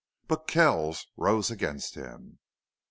But Kells rose against him.